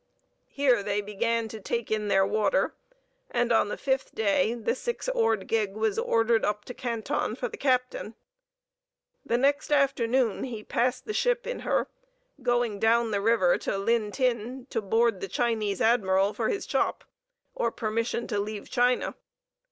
Here they began to take in their water, and on the fifth day the six oared gig was ordered up to Canton for the captain. The next afternoon he passed the ship in her, going down the river to Lin Tin, to board the Chinese admiral for his chop, or permission to leave China.